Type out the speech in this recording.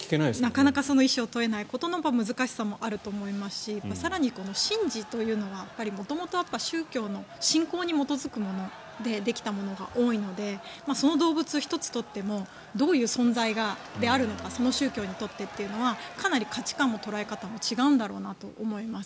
なかなか意見を問うことの難しさもあると思いますし神事というのは元々、宗教の信仰に基づくものでできたものが多いのでその動物１つとってもどういう存在であるのかその宗教にとってというのはかなり価値観も捉え方も違うんだろうなと思います。